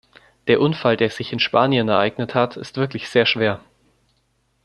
Der Unfall, der sich in Spanien ereignet hat, ist wirklich sehr schwer.